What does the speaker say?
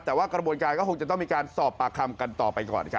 แต่ว่ากระบวนการก็คงจะต้องมีการสอบปากคำกันต่อไปก่อนครับ